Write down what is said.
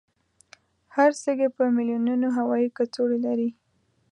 هر سږی په میلونونو هوایي کڅوړې لري.